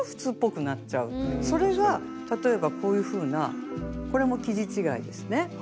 それが例えばこういうふうなこれも生地違いですね。